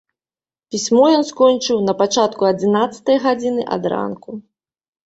Пісьмо ён скончыў на пачатку адзінаццатай гадзіны ад ранку.